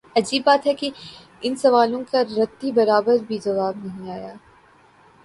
عجیب بات ہے کہ ان سوالوں کا رتی برابر بھی جواب نہیںآیا۔